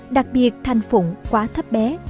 đặc biệt thành phụng quá thấp bé